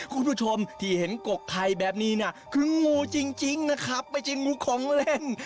คุณผู้ชมที่เห็นกกไข่แบบนี้น่ะคืองูจริงนะครับไม่ใช่งูของเล่น